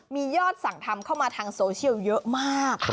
มียอดสั่งทำเข้ามาทางโซเชียลเยอะมาก